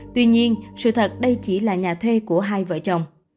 tuy nhiên sự thật đây chỉ là nhà thuê của hai vợ chồng